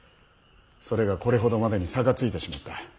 それがこれほどまでに差がついてしまった。